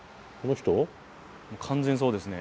完全そうですね。